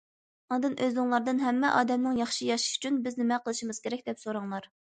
ئاندىن ئۆزۈڭلاردىن:« ھەممە ئادەمنىڭ ياخشى ياشىشى ئۈچۈن بىز نېمە قىلىشىمىز كېرەك؟» دەپ سوراڭلار.